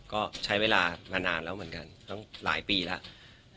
ก็ใช้เวลามานานแล้วเหมือนกันตั้งหลายปีแล้ว